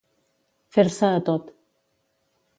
Fer-se a tot.